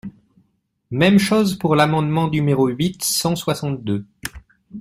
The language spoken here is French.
Même chose pour l’amendement numéro huit cent soixante-deux.